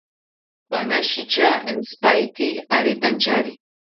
Panashitya intzipaete aretantyari